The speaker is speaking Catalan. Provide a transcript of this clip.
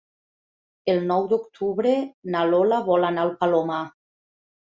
El nou d'octubre na Lola vol anar al Palomar.